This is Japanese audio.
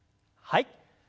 はい。